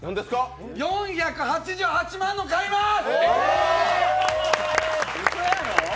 ４８８万の、買います！